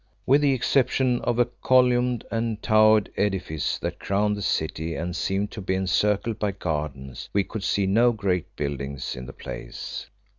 With the exception of a columned and towered edifice that crowned the city and seemed to be encircled by gardens, we could see no great buildings in the place.